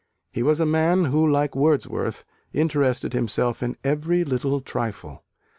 He was a man who, like Wordsworth, interested himself in every little trifle.